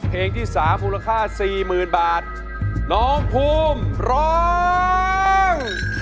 เพลงที่สาภูราคา๔๐๐๐๐บาทน้องพุ่มร้อง